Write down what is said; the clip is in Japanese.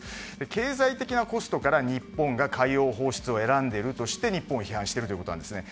経済的なコストから日本が海洋放出を選んでいるとして日本を批判しているということなんですね。